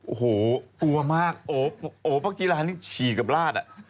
โอ้โหกลัวมากโอ้พักงานนี้ฉีกกับราศ